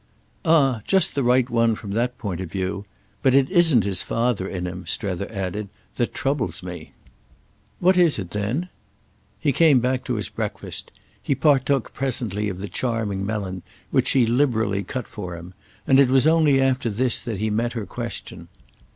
"Ah just the right one from that point of view! But it isn't his father in him," Strether added, "that troubles me." "What is it then?" He came back to his breakfast; he partook presently of the charming melon, which she liberally cut for him; and it was only after this that he met her question.